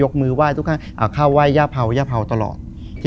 คือก่อนอื่นพี่แจ็คผมได้ตั้งชื่อเอาไว้ชื่อเอาไว้ชื่อเอาไว้ชื่อเอาไว้ชื่อ